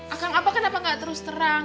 akang abah kenapa gak terus terang